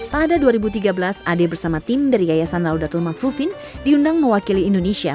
pada dua ribu tiga belas ade bersama tim dari yayasan laudatul makfrufin diundang mewakili indonesia